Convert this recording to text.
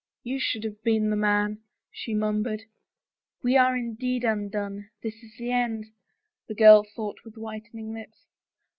"You should have been the man," she murmured. "We are indeed undone — this is the end," the girl thought with whitening lips.